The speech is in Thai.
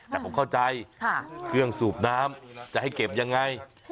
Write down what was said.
แต่ผมเข้าใจเครื่องสูบน้ำจะให้เก็บยังไง